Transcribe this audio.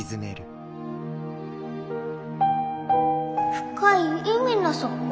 深い海の底？